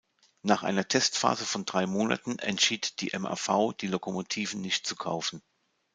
Nach einer Testphase von drei Monaten entschied die MÁV, die Lokomotiven nicht zu kaufen.